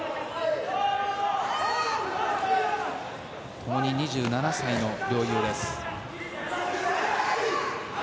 ともに２７歳の両雄です。